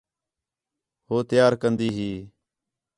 ہو تیار کندی ہی